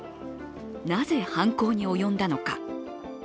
なぜ犯行に及んだのか。